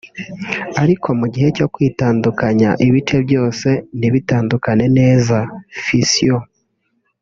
ariko mu gihe cyo kwitandukanya ibice byose ntibitandukane neza (fission)